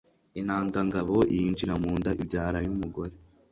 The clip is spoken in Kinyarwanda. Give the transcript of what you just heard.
intangangabo yinjira mu nda ibyara y'umugore